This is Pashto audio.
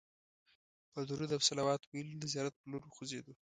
په درود او صلوات ویلو د زیارت پر لور وخوځېدو.